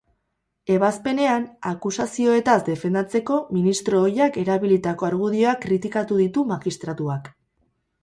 Ebazpenean, akusazioetaz defendatzeko ministro ohiak erabilitako argudioak kritikatu ditu magistratuak.